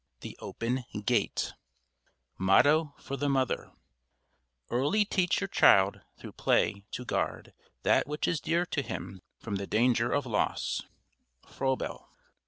THE OPEN GATE MOTTO FOR THE MOTHER Early teach your child, through play, to guard that which is dear to him from the danger of loss. FROEBEL.